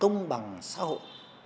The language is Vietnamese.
công bằng xã hội